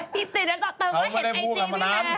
พี่ติดแล้วต่อเติมว่าเห็นไอจีกับพี่แมน